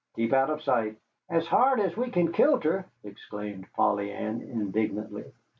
Keep out of sight." "As hard as we kin kilter!" exclaimed Polly Ann, indignantly.